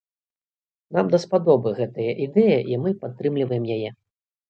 Нам даспадобы гэтая ідэя, і мы падтрымліваем яе.